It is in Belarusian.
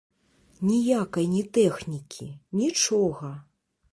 Ніякай ні тэхнікі, нічога!